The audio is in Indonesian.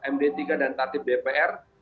md tiga dan tati bpr